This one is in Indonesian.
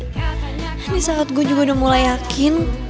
the saat gue juga udah mulai yakin